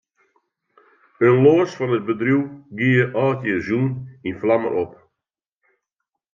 In loads fan it bedriuw gie âldjiersjûn yn flammen op.